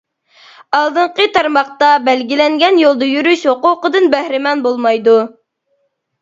ئالدىنقى تارماقتا بەلگىلەنگەن يولدا يۈرۈش ھوقۇقىدىن بەھرىمەن بولمايدۇ.